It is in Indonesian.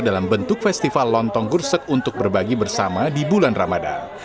dalam bentuk festival lontong gursek untuk berbagi bersama di bulan ramadan